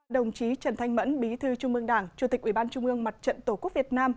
đồng chí trần thanh mẫn bí thư trung ương đảng chủ tịch ubnd mặt trận tổ quốc việt nam